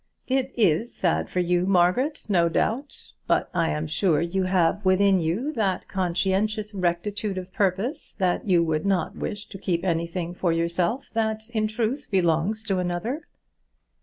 "It is sad for you, Margaret, no doubt. But I am sure you have within you that conscientious rectitude of purpose that you would not wish to keep anything for yourself that in truth belongs to another."